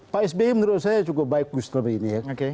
pak sbi menurut saya cukup baik gusto rini ya